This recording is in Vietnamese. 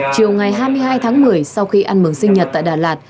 chiều ngày hai mươi hai tháng một mươi sau khi ăn mừng sinh nhật tại đà lạt